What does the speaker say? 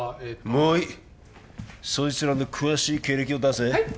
もういいそいつらの詳しい経歴を出せはい？